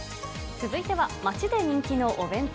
続いては街で人気のお弁当。